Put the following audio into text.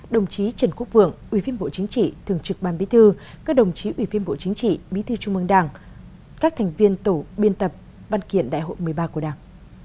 đồng chí trần quốc vượng ủy viên bộ chính trị thường trực ban bí thư các đồng chí ủy viên bộ chính trị bí thư trung mương đảng các thành viên tổ biên tập văn kiện đại hội một mươi ba của đảng